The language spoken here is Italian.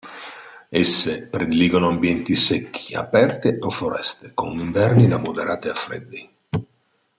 Esse prediligono ambienti secchi, aperti o foreste, con inverni da moderati a freddi.